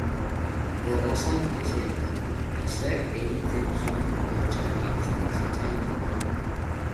Terrazan eserita, haizeak egiten zuen hotsa iristen zitzaidan garbi.